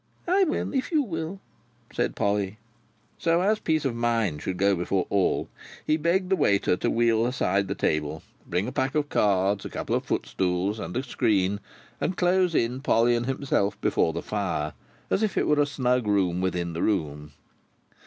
"I will, if you will," said Polly. So, as peace of mind should go before all, he begged the waiter to wheel aside the table, bring a pack of cards, a couple of footstools, and a screen, and close in Polly and himself before the fire, as it were in a snug room within the room.